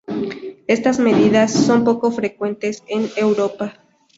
Estas medidas son poco frecuentes en Europa.